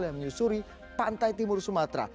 yang menyusuri pantai timur sumatera